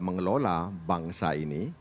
mengelola bangsa ini